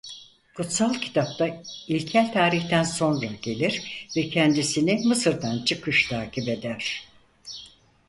Kutsal Kitap'ta ilkel tarihten sonra gelir ve kendisini Mısır'dan Çıkış takip eder.